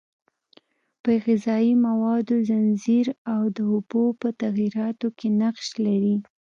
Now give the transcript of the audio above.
په غذایي موادو ځنځیر او د اوبو په تغییراتو کې نقش لري.